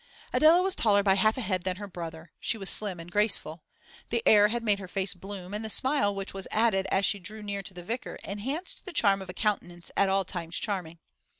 Adela was taller by half a head than her brother; she was slim and graceful. The air had made her face bloom, and the smile which was added as she drew near to the vicar enhanced the charm of a countenance at all times charming.